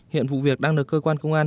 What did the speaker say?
hiện vụ việc đang được cơ quan công an